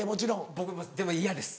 僕もでも嫌です。